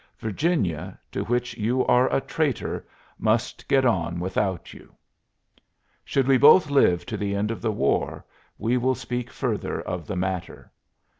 Virginia, to which you are a traitor, must get on without you. Should we both live to the end of the war, we will speak further of the matter.